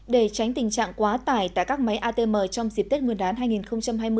để tránh tình trạng quá tải tại các máy atm trong dịp tết nguyên đán hai nghìn hai mươi